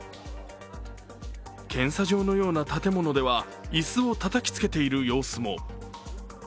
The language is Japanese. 検査場のような建物では椅子をたたきつけている様子も。